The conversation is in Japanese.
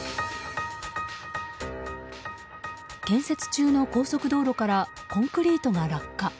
建設中の道路からコンクリートが落下。